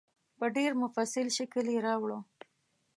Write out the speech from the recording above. په ډېر مفصل شکل یې راوړه.